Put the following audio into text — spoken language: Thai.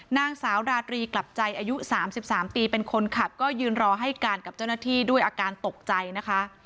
นางสาวดาตรีกลับใจอายุ๓๓ปีเป็นคนขับก็ยืนรอให้การกับเจ้าหน้าที่ด้วยอาการตกใจนะคะ